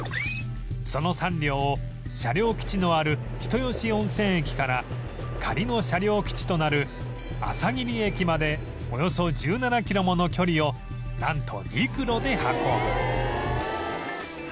その３両を車両基地のある人吉温泉駅から仮の車両基地となるあさぎり駅までおよそ１７キロもの距離をなんと陸路で運ぶ